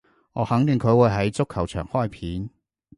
我肯定佢會喺足球場開片